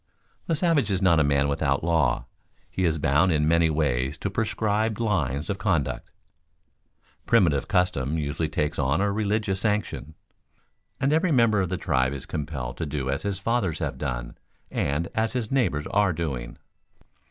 _ The savage is not a man without law; he is bound in many ways to prescribed lines of conduct. Primitive custom usually takes on a religious sanction, and every member of the tribe is compelled to do as his fathers have done and as his neighbors are doing.